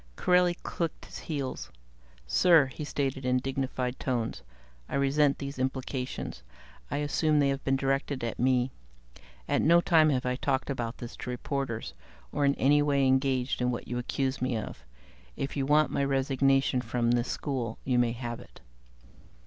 Corelli clicked his heels. "Sir," he stated in dignified tones, "I resent these implications. I assume they have been directed at me. At no time have I talked about this to reporters, or in any way engaged in what you accuse me of. If you want my resignation from this school, you may have it."